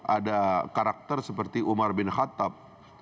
ada karakter seperti umar bin khattab